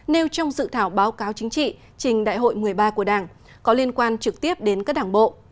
nêu trong dự thảo báo cáo chính trị trình đại hội một mươi ba của đảng có liên quan trực tiếp đến các đảng bộ